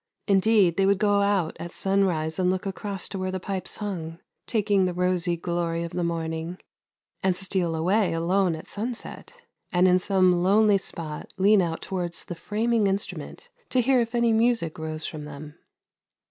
Indeed they would go out at sunrise and look across to where the pipes hung, taking the rosy glory of the morning, and steal away alone at sunset, and in some lonely spot lean out towards the framing instru 3i6 THE LANE THAT HAD NO TURNING ment to hear if any music rose from them.